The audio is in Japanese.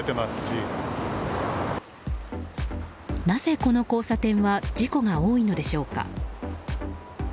なぜ、この交差点は事故が多いのでしょうか？